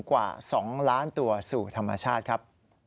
กว่า๒ล้านตัวสู่ธรรมชาติครับ